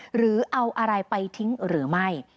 หรือเอาอะไรไปทิ้งหรือไม่